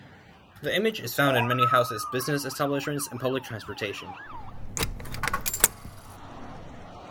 The image is found in many houses, business establishments, and public transportation.